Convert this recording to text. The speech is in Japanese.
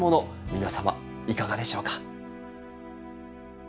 皆様いかがでしょうか。